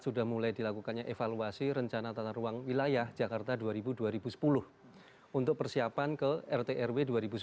sudah mulai dilakukannya evaluasi rencana tata ruang wilayah jakarta dua ribu dua ribu sepuluh untuk persiapan ke rt rw dua ribu sembilan belas